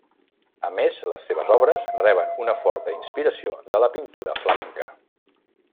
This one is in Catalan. A més, les seves obres reben una forta inspiració de la pintura flamenca.